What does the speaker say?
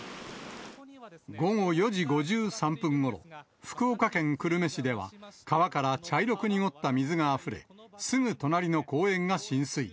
午後４時５３分ごろ、福岡県久留米市では川から茶色く濁った水があふれ、すぐ隣の公園が浸水。